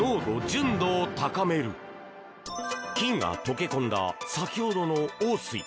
金が溶け込んだ先ほどの王水。